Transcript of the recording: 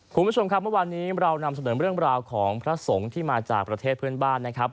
คุณผู้ชมครับเมื่อวานนี้เรานำเสนอเรื่องราวของพระสงฆ์ที่มาจากประเทศเพื่อนบ้านนะครับ